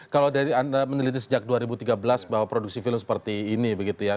kalau dari anda meneliti sejak dua ribu tiga belas bahwa produksi film seperti ini begitu ya